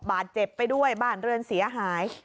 บาดเจ็บไปด้วยบ้านเรือนเสียหาย